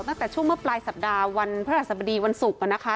ตั้งแต่ช่วงเมื่อปลายสัปดาห์วันพระราชสบดีวันศุกร์